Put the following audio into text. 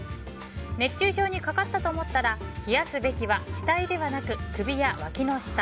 熱中症にかかったと思ったら冷やすべきは額ではなく首やわきの下。